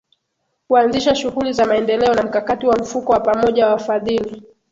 Kuanzisha shughuli za maendeleo na mkakati wa mfuko wa pamoja wa wafadhili